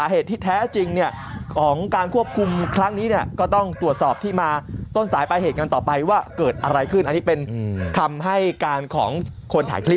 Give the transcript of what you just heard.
เหตุที่แท้จริงของการควบคุมครั้งนี้ก็ต้องตรวจสอบที่มาต้นสายปลายเหตุกันต่อไปว่าเกิดอะไรขึ้นอันนี้เป็นคำให้การของคนถ่ายคลิป